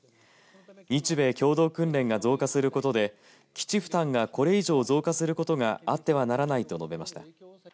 日米共同訓練が増加することで基地負担がこれ以上増加することがあってはならないと述べました。